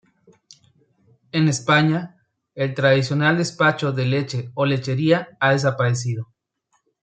En España, el tradicional despacho de leche o lechería ha desaparecido.